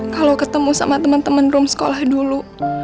kalau ketemu sama teman teman room sekolah dulu